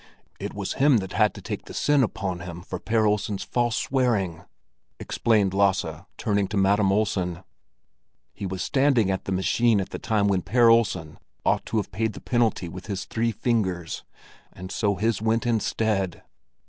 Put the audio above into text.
It was him that had to take the sin upon him for Per Olsen's false swearing!" explained Lasse, turning to Madam Olsen. "He was standing at the machine at the time when Per Olsen ought to have paid the penalty with his three fingers, and so his went instead.